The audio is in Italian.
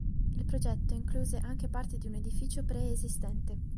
Il progetto incluse anche parti di un edificio preesistente.